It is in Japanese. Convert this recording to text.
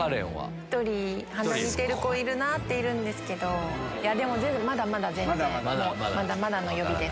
１人、鼻似てる子いるなと思うんですけど、いや、でもまだまだ全然、まだまだです。